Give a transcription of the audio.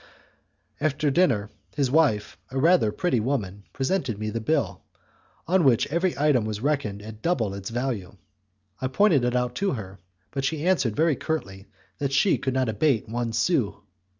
After dinner his wife, a rather pretty woman, presented me the bill, on which every item was reckoned at double its value. I pointed it out to her, but she answered very curtly that she could not abate one sou.